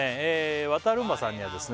わたるんばさんにはですね